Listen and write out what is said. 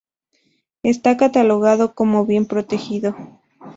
Está catalogado como Bien Protegido.